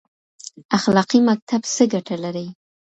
اخلاقي مکتب څه ګټه لري؟